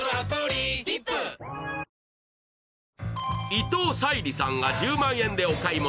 伊藤沙莉さんが１０万円でお買い物。